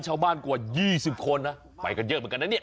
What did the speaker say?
ชาวบ้านกว่ายี่สิบคนนะไปกันเยอะเหมือนกันนะเนี้ย